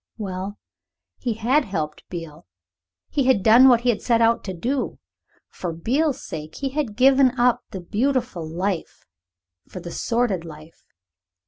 Well, he had helped Beale. He had done what he set out to do. For Beale's sake he had given up the beautiful life for the sordid life.